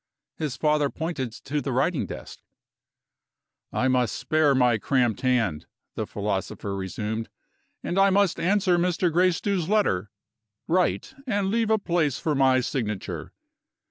His father pointed to the writing desk. "I must spare my cramped hand," the philosopher resumed, "and I must answer Mr. Gracedieu's letter. Write, and leave a place for my signature."